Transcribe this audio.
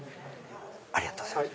ありがとうございます。